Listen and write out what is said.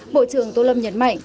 bộ trưởng tô lâm nhấn mạnh